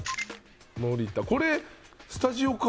森田これスタジオか。